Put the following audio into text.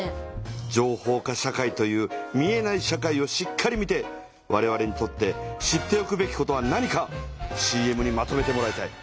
情報化社会という見えない社会をしっかり見てわれわれにとって知っておくべきことは何かＣＭにまとめてもらいたい。